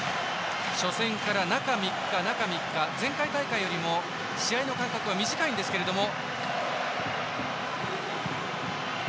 初戦から中３日前回大会よりも試合の間隔は短いんですけれども。